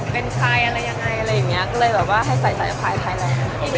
เป็นใครอะไรยังไงอะไรอย่างเงี้ยก็เลยแบบว่าให้ใส่สายพายแรง